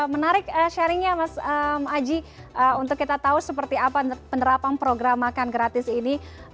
menarik sharingnya mas aji untuk kita tahu seperti apa penerapan program makan gratis ini